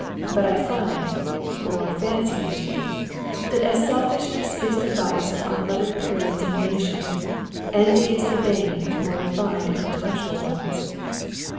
But I find (or fancy I do) that as selfishness is the vice of unlettered periods and nations, envy is the bane of more refined and intellectual ones.